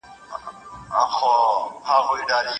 اوس امیران له خپلو خلکو څخه ځان پټوي